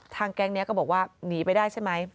แก๊งนี้ก็บอกว่าหนีไปได้ใช่ไหม